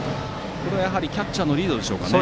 やはりキャッチャーのリードでしょうかね。